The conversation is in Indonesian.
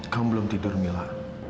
kamu belum tidur mila